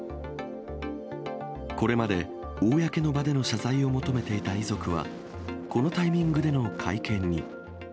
これまで、公の場での謝罪を求めていた遺族は、このタイミングでの会見に。